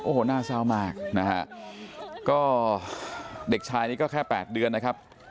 โอ้โหน่าเศร้ามากนะฮะก็เด็กชายนี่ก็แค่๘เดือนนะครับ